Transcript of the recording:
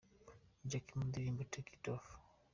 Jackie mu ndirimbo Take it off.